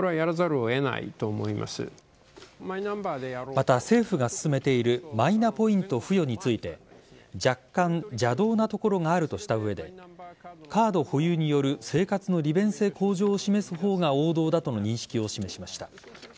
また、政府が進めているマイナポイント付与について若干邪道なところがあるとした上でカード保有による生活の利便性向上を示す方が王道だとの認識を示しました。